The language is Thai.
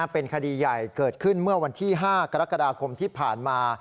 เป็นคดีใหญ่เกิดขึ้นเมื่อวันที่๕กรกฎาคมที่ผ่านมา